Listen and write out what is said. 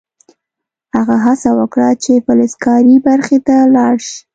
هغه هڅه وکړه چې فلزکاري برخې ته لاړ شي